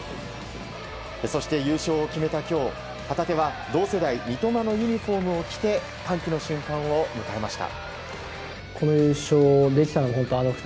そして優勝を決めた今日、旗手は同世代、三笘のユニホームを着て歓喜の瞬間を迎えました。